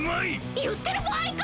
言ってる場合か！